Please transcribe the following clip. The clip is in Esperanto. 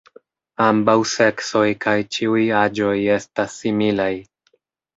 Ambaŭ seksoj kaj ĉiuj aĝoj estas similaj.